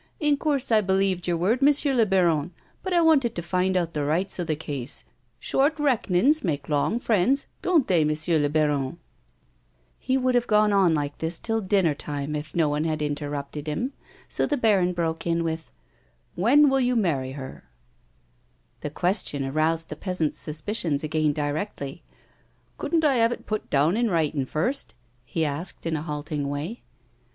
In coorse I b'lieved your word, M'sieu I'baron, but I wanted to find out the rights 'o the case. Short reck'nings make long friends, don't they, M'sieu I'baron 1 " He would have gone on like this till dinner time if no one had interrupted him, so the baron broke in with :" When will you marry her 1 " The question aroused the peasant's suspicions again directly, " Couldn't I have it put down in writin' first 1 " he asked in a halting way.